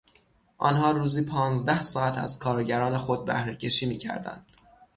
آنها روزی پانزده ساعت از کارگران خود بهرهکشی میکردند.